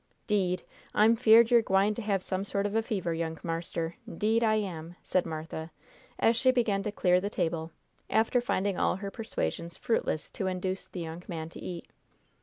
"'Deed, I'm feared yer gwine to have some sort of a fever, young marster! 'Deed, I am!" said Martha, as she began to clear the table, after finding all her persuasions fruitless to induce the young man to eat.